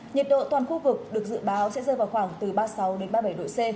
nhiệt độ toàn khu vực được dự báo sẽ rơi vào khoảng từ ba mươi sáu ba mươi bảy độ c